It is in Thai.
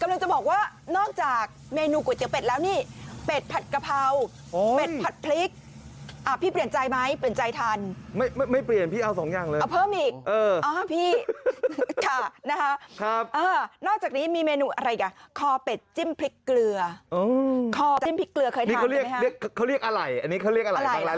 นุ่มจุ้ยเปื่อยเลยเหรอค่ะค่ะ